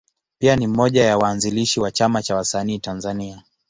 Pia ni mmoja ya waanzilishi wa Chama cha Wasanii Tanzania.